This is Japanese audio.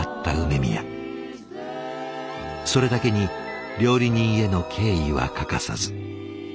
それだけに料理人への敬意は欠かさず。